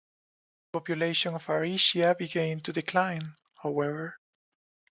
The population of Ariccia began to decline, however.